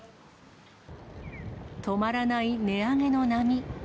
止まらない値上げの波。